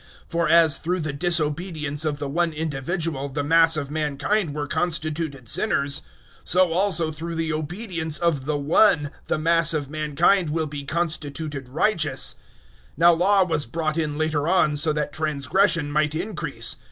005:019 For as through the disobedience of the one individual the mass of mankind were constituted sinners, so also through the obedience of the One the mass of mankind will be constituted righteous. 005:020 Now Law was brought in later on, so that transgression might increase.